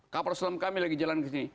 kapal selam kami lagi jalan kesini